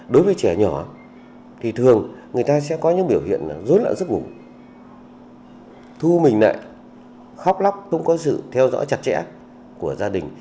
đối với trẻ nhỏ thì thường người ta sẽ có những biểu hiện dối nặng sức ngủ thu mình lại khóc lóc không có sự theo dõi chặt chẽ của gia đình